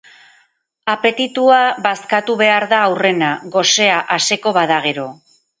Apetitua bazkatu behar da aurrena, gosea aseko bada gero.